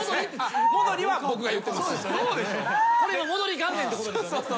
これ戻り元年ってことですよね。